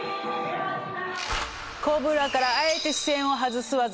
コブラからあえて視線を外す技